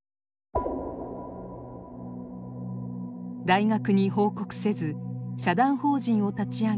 大学に報告せず社団法人を立ち上げ